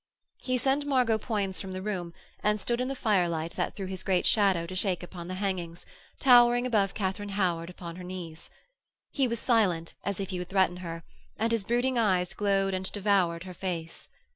He sent Margot Poins from the room, and stood in the firelight that threw his great shadow to shake upon the hangings, towering above Katharine Howard upon her knees. He was silent, as if he would threaten her, and his brooding eyes glowed and devoured her face.